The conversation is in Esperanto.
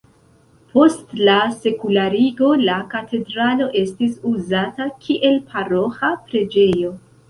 Post la sekularigo la katedralo estis uzata kiel paroĥa preĝejo.